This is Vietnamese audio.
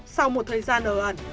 sau một thời gian ở ẩn